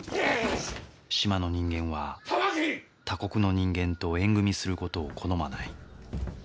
島の人間は他国の人間と縁組みする事を好まない。